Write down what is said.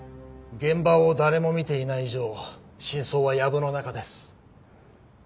現場を誰も見ていない以上真相はやぶの中です。